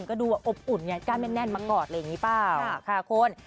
ก็ดูว่าอบอุ่นเนี่ยกล้ามแน่นมาก่อนเลยอย่างนี้เปล่าค่ะคน